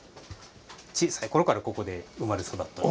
小さい頃からここで生まれ育った。